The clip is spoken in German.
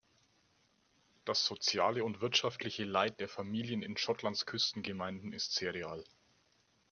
Das soziale und wirtschaftliche Leid der Familien in Schottlands Küstengemeinden ist sehr real.